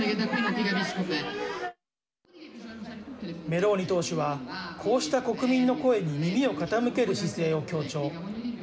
メローニ党首はこうした国民の声に耳を傾ける姿勢を強調。